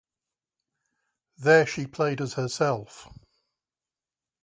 There she played as herself.